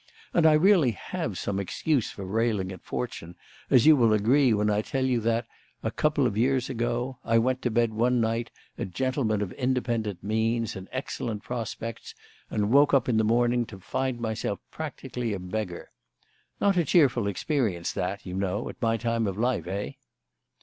And I really have some excuse for railing at Fortune, as you will agree when I tell you that, a couple of years ago, I went to bed one night a gentleman of independent means and excellent prospects and woke up in the morning to find myself practically a beggar. Not a cheerful experience that, you know, at my time of life, eh?"